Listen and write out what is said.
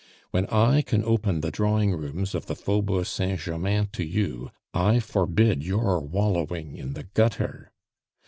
When I can open the drawing rooms of the Faubourg Saint Germain to you, I forbid your wallowing in the gutter.